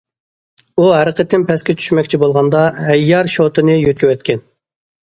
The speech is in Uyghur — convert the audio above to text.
ئۇ ھەر قېتىم پەسكە چۈشمەكچى بولغاندا، ھەييار شوتىنى يۆتكىۋەتكەن.